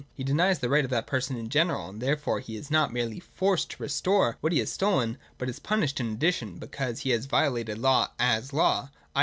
He denies the right of that person in general, and therefore he is not merely forced to restore what he has stolen, but is punished in addition, be cause he has violated law as law, i.